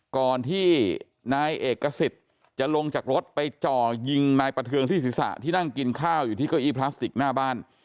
ก่อนที่นายเอกสิทธิ์จะลงจากรถไปจ่อยิงนายประเทืองที่ศีรษะที่นั่งกินข้าวอยู่ที่เก้าอี้พลาสติกหน้าบ้าน